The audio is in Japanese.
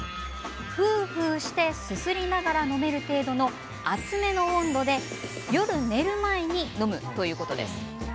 ふうふうして、すすりながら飲める程度の熱めの温度で夜寝る前に飲むということだけ。